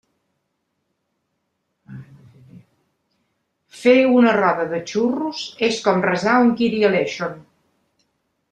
Fer una roda de xurros és com resar un kyrieleison.